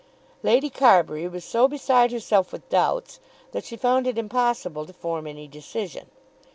Lady Carbury was so beside herself with doubts, that she found it impossible to form any decision.